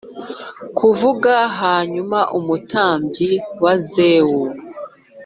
Kuvuga hanyuma umutambyi wa zewu